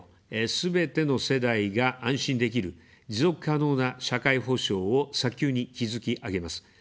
すべての世代が安心できる、持続可能な社会保障を早急に築き上げます。